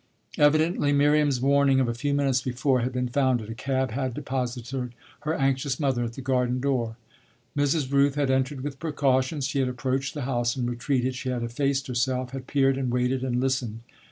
Evidently Miriam's warning of a few minutes before had been founded: a cab had deposited her anxious mother at the garden door. Mrs. Rooth had entered with precautions; she had approached the house and retreated; she had effaced herself had peered and waited and listened.